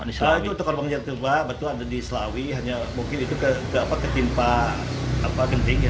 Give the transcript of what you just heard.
itu korban yang terluka betul ada di selawi hanya mungkin itu ketimpa genting ya